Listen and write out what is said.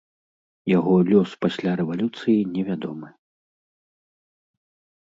Яго лёс пасля рэвалюцыі невядомы.